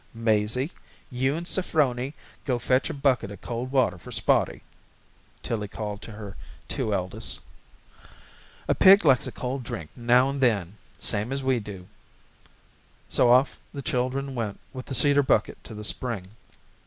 "Mazie, you and Saphroney go fetch a bucket of cold water for Spotty," Tillie called to her two eldest. "A pig likes a cold drink now and then same as we do." So off the children went with the cedar bucket to the spring.